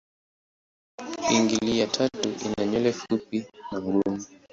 Pingili ya tatu ina nywele fupi na ngumu.